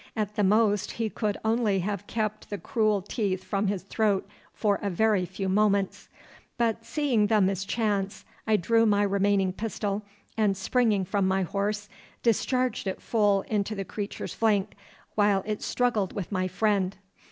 At the most he could only have kept the cruel teeth from his throat for a very few moments; but seeing the mischance, I drew my remaining pistol, and springing from my horse, discharged it full into the creature's flank while it struggled with my friend.